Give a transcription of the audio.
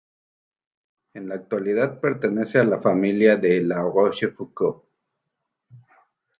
En la actualidad pertenece a la familia de La Rochefoucauld.